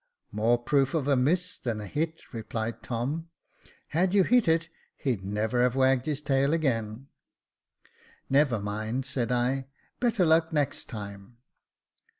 " More proof of a miss than a hit," replied Tom. " Had you hit it, he'd never have wagged his tail again." " Never mind," said I, *' better luck next time."